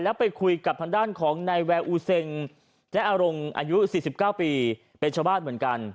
แล้วไปคุยกับทางด้านของนายแวร์อูเซ็งแจ๊อรงอายุ๔๙ปีเป็นชาวบ้านเหมือนกัน